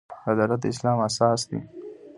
عدالت د اسلام اساس دی